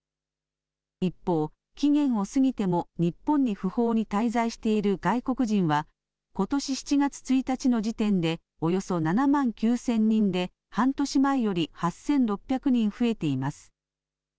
一方、期限を過ぎても日本に不法に滞在している外国人はことし７月１日の時点でおよそ７万９０００人で半年前より８６００人増えています。